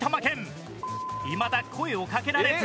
いまだ声をかけられず